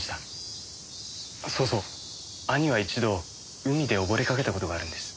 そうそう兄は一度海で溺れかけた事があるんです。